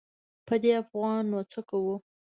په دې افغان نو څه کوو.